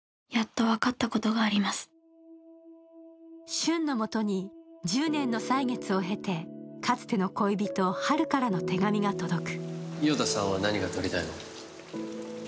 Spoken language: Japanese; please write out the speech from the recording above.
俊のもとに１０年の歳月を経てかつての恋人・春からの手紙が届く。